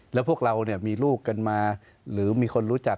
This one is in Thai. แล้วพวกเราเนี่ยมีลูกกันมาหรือมีคนรู้จัก